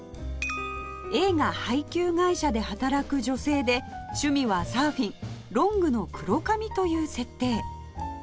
映画配給会社で働く女性で趣味はサーフィンロングの黒髪という設定